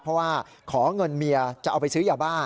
เพราะว่าขอเงินเมียจะเอาไปซื้อยาบ้า